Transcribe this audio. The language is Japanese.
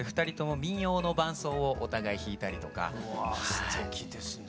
すてきですねえ。